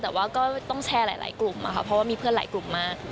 แต่ว่าก็ต้องแชร์หลายกลุ่มค่ะเพราะว่ามีเพื่อนหลายกลุ่มมาก